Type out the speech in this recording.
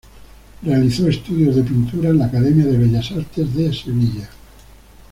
Realizó estudios de pintura en la Academia de Bellas Artes de Sevilla.